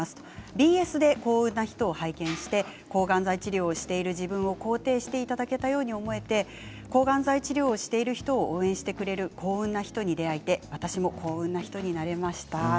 ＢＳで「幸運なひと」を拝見して抗がん剤治療をしている自分を肯定していただけたように思えて抗がん剤治療をしている人を応援してくれる「幸運なひと」に出会えて私も幸運な人になれました。